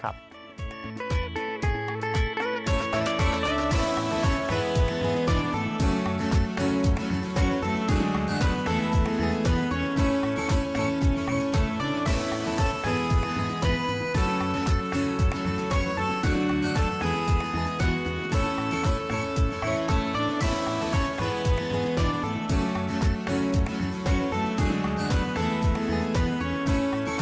โปรดติดตามตอนต่อไป